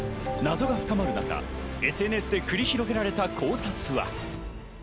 謎が深まるなかＳＮＳで繰り広げられた考察とは？